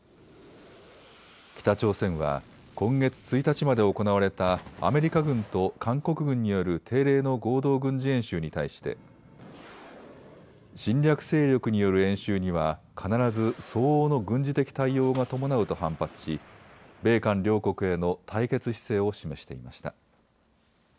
北朝鮮は今月１日まで行われたアメリカ軍と韓国軍による定例の合同軍事演習に対して侵略勢力による演習には必ず相応の軍事的対応が伴うと反発し米韓両国への対決姿勢を示していました。